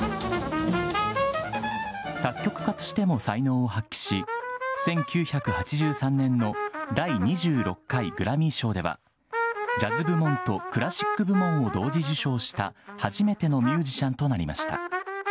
作曲家としても才能を発揮し１９８３年の第２６回グラミー賞ではジャズ部門とクラシック部門を同時受賞した初めてのミュージシャンとなりました。